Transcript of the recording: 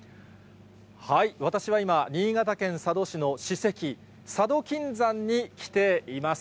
私は今、新潟県佐渡市の史跡佐渡金山に来ています。